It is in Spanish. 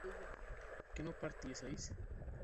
¿que no partieseis?